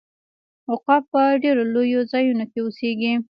عقاب په ډیرو لوړو ځایونو کې اوسیږي